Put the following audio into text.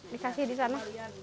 dikasih di sana